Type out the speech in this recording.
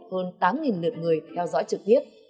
hơn tám lượt người theo dõi trực tiếp